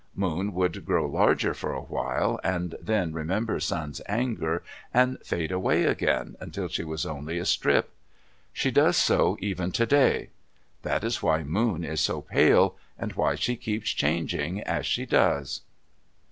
Moon would grow larger for a while, and then remember Sun's anger, and fade away again, until she was only a strip. She does so even today. That is why Moon is so pale, and why she keeps changing as she does.